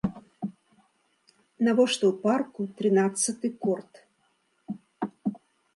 Навошта ў парку трынаццаты корт?